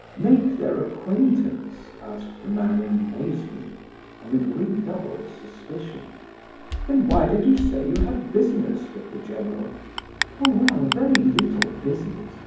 "Make their acquaintance?" asked the man, in amazement, and with redoubled suspicion. "Then why did you say you had business with the general?" "Oh well, very little business.